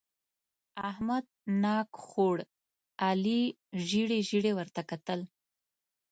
احمد ناک خوړ؛ علي ژېړې ژېړې ورته کتل.